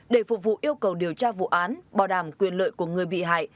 để phục vụ yêu cầu điều tra vụ án bảo đảm quyền lợi của người bị hại